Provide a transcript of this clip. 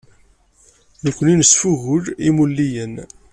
Nekkni nesfugul imulliyen.